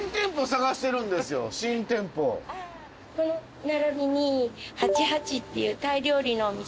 この並びに８８っていうタイ料理のお店。